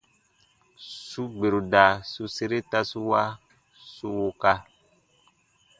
Su gberu da su sere tasu wa su wuka.